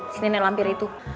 si nenek lampir itu